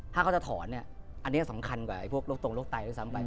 ถ้าเขาจะถอนอันนี้สำคัญกว่าพวกโลกตรงโลกไตรซึ่งซ้ำไป